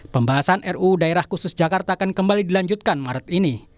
pembahasan ruu daerah khusus jakarta akan kembali dilanjutkan maret ini